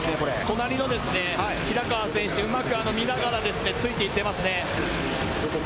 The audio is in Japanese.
隣の平河選手、うまく見ながらついていっていますね。